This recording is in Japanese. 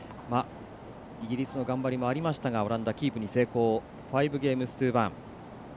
イギリスの頑張りもありましたがオランダはキープ成功。